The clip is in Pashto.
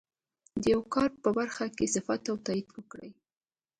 د یوه کار په برخه کې صفت او تایید وکړي.